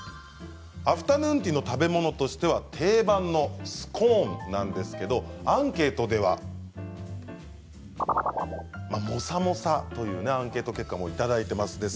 アフタヌーンティーの食べ物としては定番のスコーンなんですけれどアンケートではモサモサというアンケート結果をいただいています。